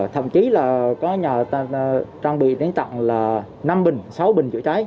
thậm chí là có nhà trang bị đến tặng là năm bình sáu bình chữa cháy